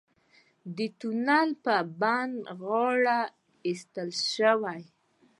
د تونل په بڼه غارې ایستل شوي.